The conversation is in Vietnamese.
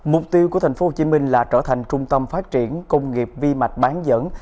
mục tiêu của tp hcm là trở thành trung tâm phát triển công nghiệp vi mạch bán dẫn